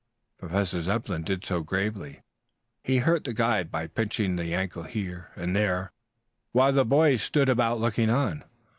Professor Zepplin did so gravely. He hurt the guide by pinching the ankle here and there, while the boys stood about looking on.